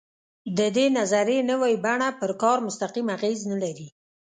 د دې نظریې نوې بڼه پر کار مستقیم اغېز نه لري.